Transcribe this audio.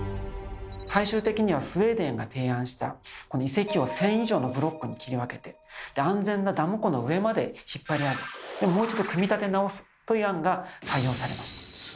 最終的にはスウェーデンが提案したこの遺跡を１，０００以上のブロックに切り分けて安全なダム湖の上まで引っ張り上げもう一度組み立て直すという案が採用されました。